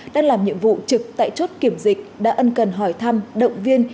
đang làm nhiệm vụ trực tại chốt kiểm dịch đã ân cần hỏi thăm động viên